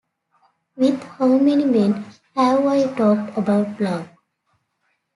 With how many men have I talked about love?